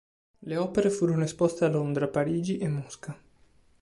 Le opere furono esposte a Londra, Parigi e Mosca.